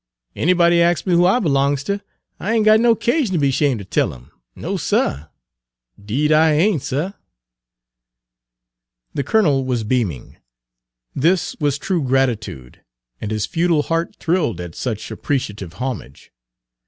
Anybody ax me who I b'longs ter, I ain' got no 'casion ter be shame' ter tell 'em, no, suh, 'deed I ain', suh!" The colonel was beaming. This was true gratitude, and his feudal heart thrilled at such appreciative homage.